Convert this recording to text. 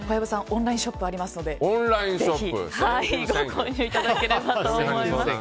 オンラインショップありますのでぜひご購入いただければと思います。